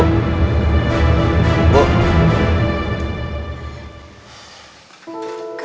kamu udah pulang ya